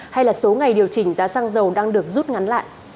hay là số ngày điều chỉnh giá xăng dầu đang được rút ngắn lại